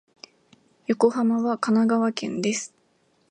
横浜は神奈川県です。